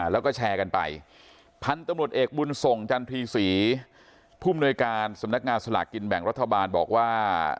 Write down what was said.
แล้วก็แชร์กันไปพลันตมอตเอกบุญส่งจันทรี๔พมนโนยการสมนักงานสหกิลแบกรัฐบาลบอกว่า